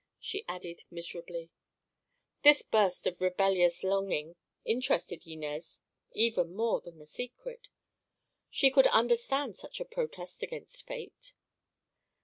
she added miserably. This burst of rebellious longing interested Inez even more than the secret. She could understand such a protest against fate.